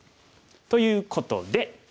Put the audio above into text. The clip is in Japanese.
ということで。